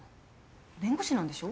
弁護士なんでしょ？